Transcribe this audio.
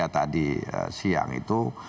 tadi siang itu